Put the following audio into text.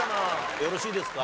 よろしいですか？